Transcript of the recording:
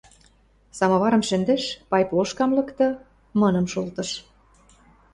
Самоварым шӹндӹш, пай плошкам лыкты, мыным шолтыш